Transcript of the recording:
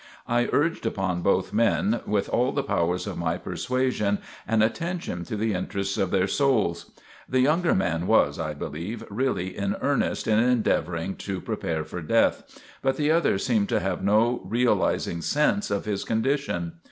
I urged upon both men, with all the powers of my persuasion, an attention to the interests of their souls. The younger man was, I believe, really in earnest in endeavouring to prepare for death, but the other seemed to have no realizing sense of his condition.